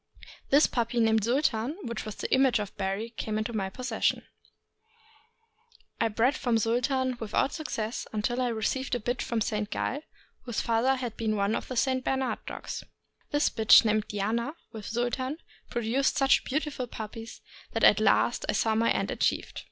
This puppy, named Sultan, which was the image of Barry, came into my possession. I bred from Sultan without success until I received a bitch from Saint Galles whose father had been one of the St. Bernard dogs. This bitch, named Diana, with Sultan, produced such beautiful puppies that at last I saw my end achieved.